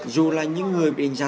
dù là những người bị đánh giá